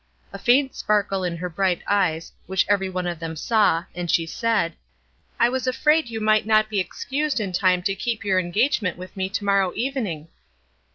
A faint sparkle in her bright eyes, which every one of them saw, and she said: "I was afraid you might not be excused in time to keep your engagement with me to morrow evening."